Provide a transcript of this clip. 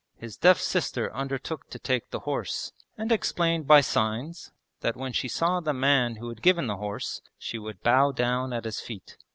His deaf sister undertook to take the horse, and explained by signs that when she saw the man who had given the horse, she would bow down at his feet.